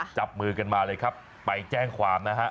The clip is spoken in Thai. จับมือกันมาเลยครับไปแจ้งความนะฮะ